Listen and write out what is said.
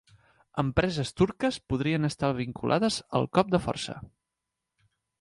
Empreses turques podrien estar vinculades al cop de força